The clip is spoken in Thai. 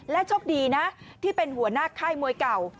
โชคดีนะที่เป็นหัวหน้าค่ายมวยเก่า